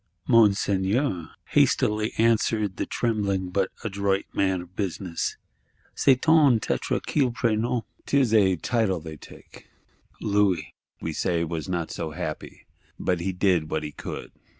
_'—'Monseigneur,' hastily answered the trembling but adroit man of business, 'c'est une titre qu'ils prennent ('tis a title they take).' Louis, we say, was not so happy; but he did what he could.